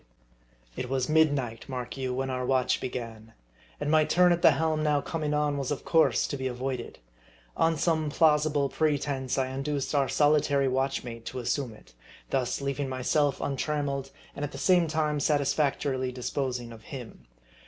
It was midnight, mark you, when our watch began ; and my turn at the helm now coming on was of course to be avoided. On some plausible pretense, I induced our solitary watchmate to assume it ; thus leaving myself untrammeled, and at the same time satisfactorily disposing of him.